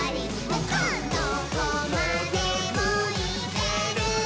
「どこまでもいけるぞ！」